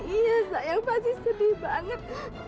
iya sayang pasti sedih banget